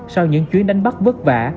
sau những chuyến đánh bắt vất vả